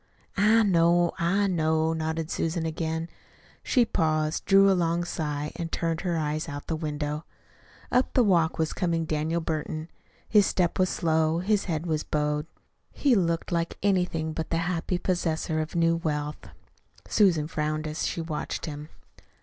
'" "I know, I know," nodded Susan again. She paused, drew a long sigh, and turned her eyes out the window. Up the walk was coming Daniel Burton. His step was slow, his head was bowed. He looked like anything but the happy possessor of new wealth. Susan frowned as she watched him.